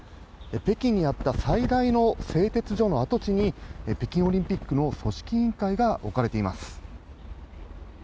北京にあった最大の製鉄所の跡地に、北京オリンピックの組織委員会が置かれています。